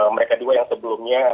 mereka dua yang sebelumnya